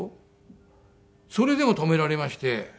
それでも止められまして。